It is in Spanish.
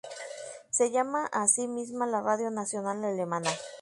Se llama a sí misma la radio nacional alemana.